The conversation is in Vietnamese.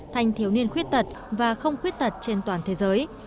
thành thiếu niên khuyết tật và không khuyết tật trên toàn thế giới